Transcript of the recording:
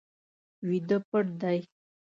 ویده پټ دی